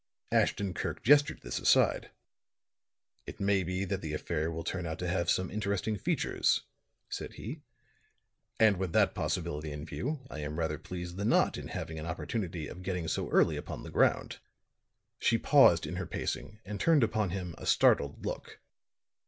Ashton Kirk gestured this aside. "It may be that the affair will turn out to have some interesting features," said he. "And with that possibility in view, I am rather pleased than not in having an opportunity of getting so early upon the ground." She paused in her pacing, and turned upon him a startled look.